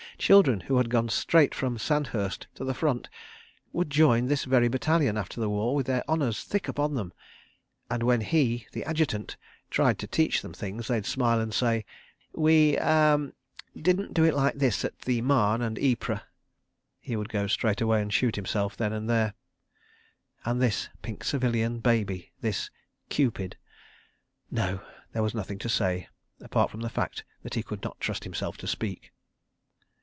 ... Children who had gone straight from Sandhurst to the Front would join this very battalion, after the war, with their honours thick upon them—and when he, the Adjutant, tried to teach them things, they'd smile and say: "We—ah!—didn't do it like that at the Marne and Ypres. ..." He could go straight away and shoot himself then and there. ... And this pink civilian baby! This "Cupid"! No, there was nothing to say—apart from the fact that he could not trust himself to speak.